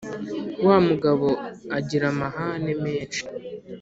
wa mugabo agira amahane menshi.